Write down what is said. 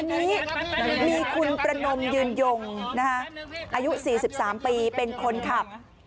อันนี้มีคุณประนมยืนยงอายุ๔๓ปีเป็นคนขับ